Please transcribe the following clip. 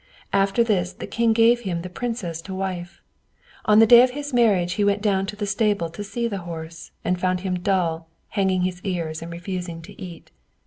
After this the king gave him the princess to wife. On the day of his marriage he went down into the stable to see the horse, and found him dull, hanging his ears and refusing to eat.